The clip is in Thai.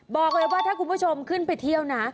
บอกเลยว่าถ้าคุณผู้ชมขึ้นไปเที่ยวนะ